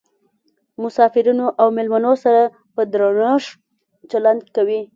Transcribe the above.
مسافرینو او میلمنو سره په درنښت چلند کوي.